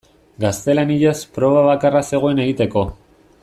Gaztelaniaz proba bakarra zegoen egiteko.